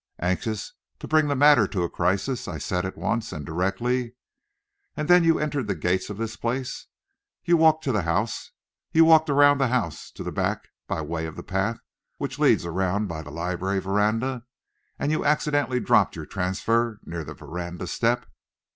Anxious to bring the matter to a crisis, I said at once, and directly: "And then you entered the gates of this place, you walked to the house, you walked around the house to the back by way of the path which leads around by the library veranda, and you accidentally dropped your transfer near the veranda step."